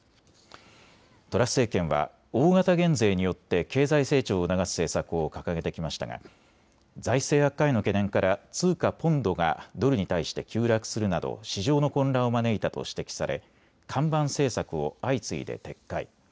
トラス政権は大型減税によって経済成長を促す政策を掲げてきましたが財政悪化への懸念から通貨ポンドがドルに対して急落するなど市場の混乱を招いたと指摘され看板政策を相次いで撤回。